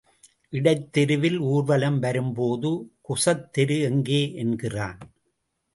இடைத் தெருவில் ஊர்வலம் வரும்போது குசத்தெரு எங்கே என்கிறான்.